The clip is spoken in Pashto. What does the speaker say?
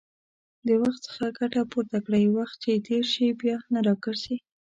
د وخت څخه ګټه پورته کړئ، وخت چې تېر شي، بيا نه راګرځي